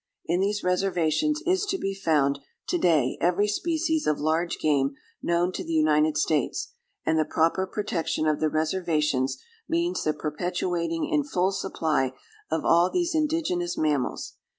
In these reservations is to be found to day every species of large game known to the United States, and the proper protection of the reservations means the perpetuating in full supply of all these indigenous mammals.